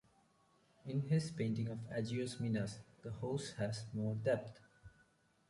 In his painting of Agios Minas the horse has more depth.